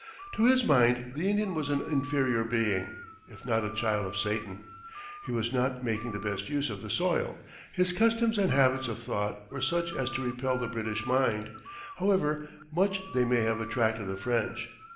To his mind the Indian was an inferior being, if not a child of Satan; he was not making the best use of the soil; his customs and habits of thought were such as to repel the British mind, however much they may have attracted the French.